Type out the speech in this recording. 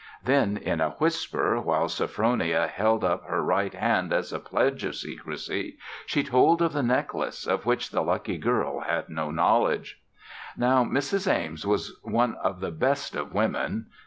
Then, in a whisper, while Sophronia held up her right hand as a pledge of secrecy, she told of the necklace of which the lucky girl had no knowledge. Now Mrs. Ames was one of the best of women.